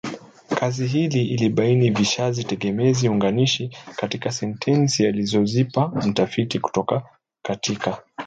Kazi hii ilibaini vishazi tegemezi unganishi katika sentensi alizozipata mtafiti kutoka katika